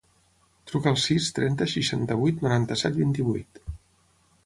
Truca al sis, trenta, seixanta-vuit, noranta-set, vint-i-vuit.